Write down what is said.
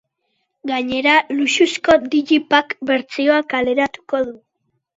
Gainera, luxuzko digipack bertsioa kaleratuko du.